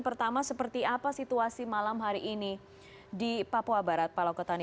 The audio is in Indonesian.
pertama seperti apa situasi malam hari ini di papua barat pak lokotani